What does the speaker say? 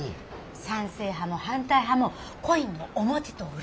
賛成派も反対派もコインの表と裏。